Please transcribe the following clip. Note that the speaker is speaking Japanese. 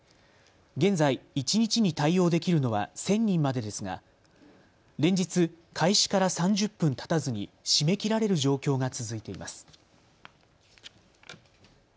現在、一日に対応できるのは１０００人までですが連日、開始から３０分たたずに締め切られる状況が続いています。